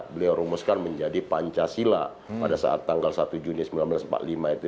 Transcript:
beliau rumuskan menjadi pancasila pada saat tanggal satu juni seribu sembilan ratus empat puluh lima itu